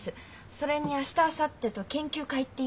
それに明日あさってと研究会っていうの？